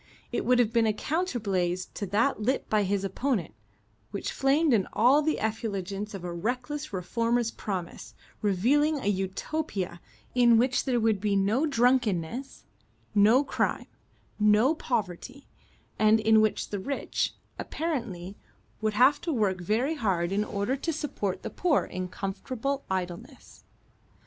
It would have been a counter blaze to that lit by his opponent, which flamed in all the effulgence of a reckless reformer's promise, revealing a Utopia in which there would be no drunkenness, no crime, no poverty, and in which the rich, apparently, would have to work very hard in order to support the poor in comfortable idleness.